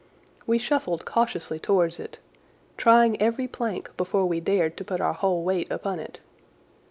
We shuffled cautiously towards it, trying every plank before we dared to put our whole weight upon it.